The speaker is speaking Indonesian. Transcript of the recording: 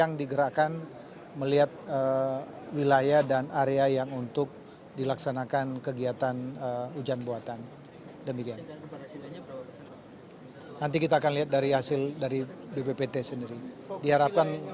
nanti kita akan lihat dari hasil dari bppt sendiri